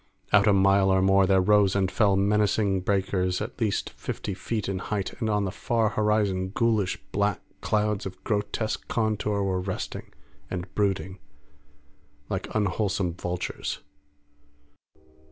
Out a mile or more there rose and fell menacing breakers at least fifty feet in height, and on the far horizon ghoulish black clouds of grotesque contour were resting and brooding like unwholesome vultures.